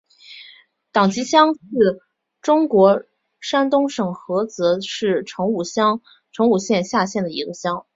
党集乡是中国山东省菏泽市成武县下辖的一个乡。